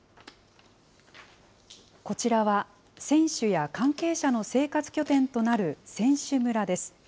こちらは、選手や関係者の生活拠点となる選手村です。